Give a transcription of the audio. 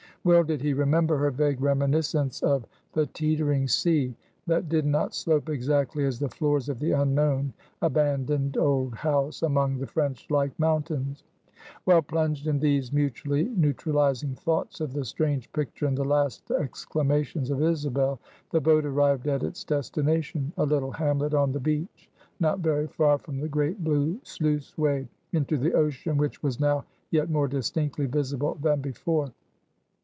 Well did he remember her vague reminiscence of the teetering sea, that did not slope exactly as the floors of the unknown, abandoned, old house among the French like mountains. While plunged in these mutually neutralizing thoughts of the strange picture and the last exclamations of Isabel, the boat arrived at its destination a little hamlet on the beach, not very far from the great blue sluice way into the ocean, which was now yet more distinctly visible than before.